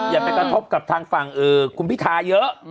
อย่าไปกระทบกับทางฝั่งคุณพิทาเยอะ